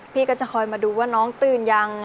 พี่ก็จะคอยมาดูว่าน้องตื่นยัง